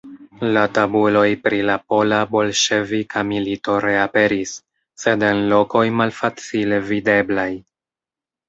La tabuloj pri la pola-bolŝevika milito reaperis, sed en lokoj malfacile videblaj.